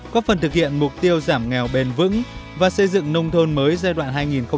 có phần thực hiện mục tiêu giảm nghèo bền vững và xây dựng nông thôn mới giai đoạn hai nghìn một mươi sáu hai nghìn hai mươi